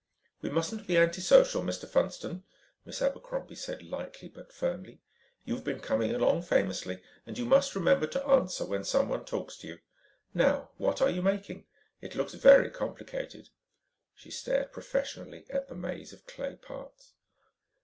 "We mustn't be antisocial, Mr. Funston," Miss Abercrombie said lightly, but firmly. "You've been coming along famously and you must remember to answer when someone talks to you. Now what are you making? It looks very complicated." She stared professionally at the maze of clay parts.